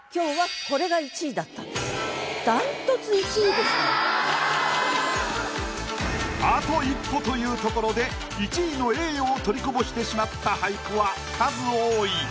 断トツあと一歩というところで１位の栄誉を取りこぼしてしまった俳句は数多い。